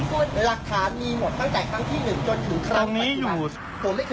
หลักฐานี่หมดตั้งแต่ทางที่หนึ่งจนถึงครั้งนี้อยู่